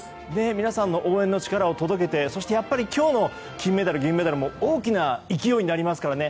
皆さんの応援の力を届けて、そしてやっぱり今日の金メダル、銀メダルも大きな勢いになりますからね。